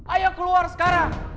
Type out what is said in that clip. ayo keluar sekarang